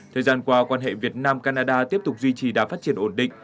thời gian qua quan hệ việt nam canada tiếp tục duy trì đã phát triển ổn định